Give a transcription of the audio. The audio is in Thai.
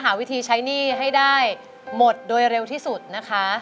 หาวิธีใช้หนี้ให้ได้หมดโดยเร็วที่สุดนะคะ